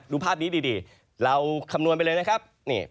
ดูภาพนี้ดีเราคำนวณไปเลยนะครับ